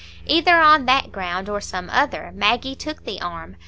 Either on that ground or some other, Maggie took the arm.